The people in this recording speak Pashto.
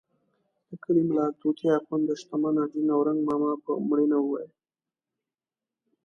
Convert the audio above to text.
د کلي ملا طوطي اخند د شتمن حاجي نورنګ ماما په مړینه وویل.